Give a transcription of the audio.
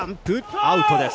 アウトです。